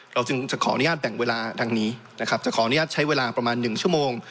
จึงจะขออนุญาตแบ่งเวลาดังนี้นะครับจะขออนุญาตใช้เวลาประมาณ๑ชั่วโมง